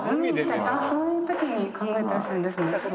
そういう時に考えたりするんですね。